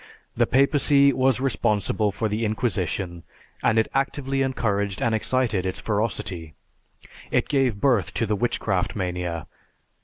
The papacy was responsible for the Inquisition, and it actively encouraged and excited its ferocity. It gave birth to the Witchcraft Mania.